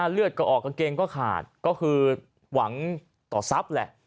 เลือดก็ออกกางเกงก็ขาดก็คือหวังต่อทรัพย์แหละ